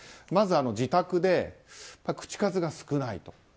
まず自宅で口数が少ないと。